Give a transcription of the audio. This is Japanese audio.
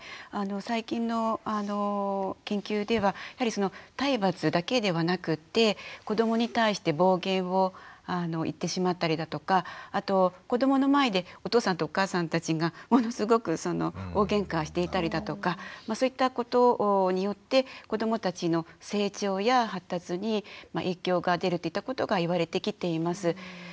最近の研究ではやはり体罰だけではなくって子どもに対して暴言を言ってしまったりだとかあと子どもの前でお父さんとお母さんたちがものすごく大げんかしていたりだとかそういったことによって子どもたちの成長や発達に影響が出るといったことが言われてきています。